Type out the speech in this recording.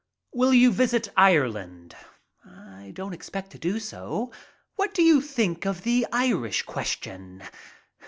"Will you visit Ireland?" "I don't expect to do so." "What do you think of the Irish question?"